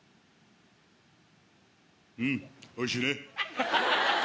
うんおいしいね。